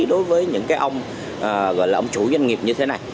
đối với những ông chủ doanh nghiệp như thế này